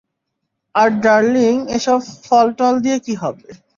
আর darling এসব ফল টল দিয়ে কি হবে?